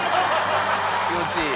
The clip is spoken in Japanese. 気持ちいい？